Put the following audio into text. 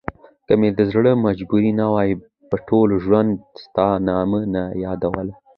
که مې دزړه مجبوري نه وای په ټوله ژوندمي ستا نامه نه يادوله